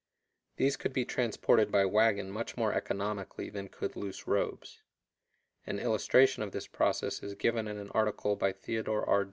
These could be transported by wagon much more economically than could loose robes. An illustration of this process is given in an article by Theodore R.